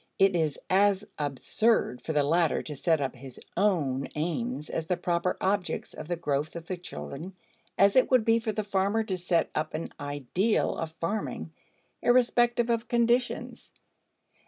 It is as absurd for the latter to set up his "own" aims as the proper objects of the growth of the children as it would be for the farmer to set up an ideal of farming irrespective of conditions.